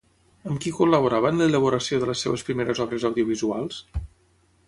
Amb qui col·laborava en l'elaboració de les seves primeres obres audiovisuals?